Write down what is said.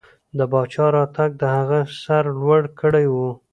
د پاچا راتګ د هغه سر لوړ کړی و.